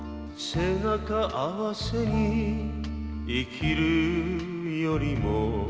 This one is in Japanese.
「背中合わせに生きるよりも」